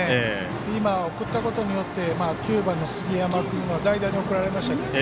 今、送ったことによって９番の杉山君は代打で送られましたけどね。